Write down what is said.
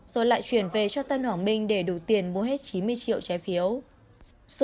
rồi lại chuyển về cho tân hoàng minh để đủ tiền mua hết chín mươi triệu trái phiếu